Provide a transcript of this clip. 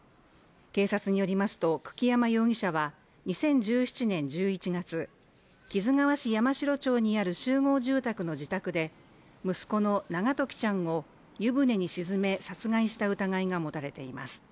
警察によりますと久木山容疑者は２０１７年１１月木津川市山城町にある集合住宅の自宅で息子の永時ちゃんを湯船に沈め殺害した疑いが持たれています